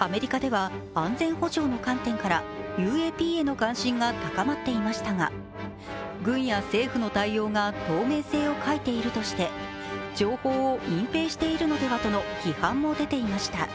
アメリカでは安全保障の観点からＵＡＰの関心が高まっていましたが軍や政府の対応が透明性を欠いているとして情報を隠蔽しているのではとの批判も出ていました。